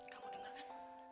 kamu denger kan